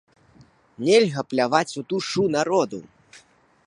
Нельга пляваць у душу народу!